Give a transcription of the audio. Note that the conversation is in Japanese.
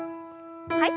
はい。